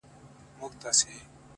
ځكه له يوه جوړه كالو سره راوتـي يــو.